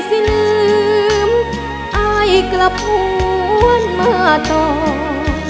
ภูมิสุภาพยาบาลภูมิสุภาพยาบาล